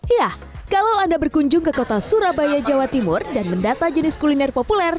iya kalau anda berkunjung ke kota surabaya jawa timur dan mendata jenis kuliner populer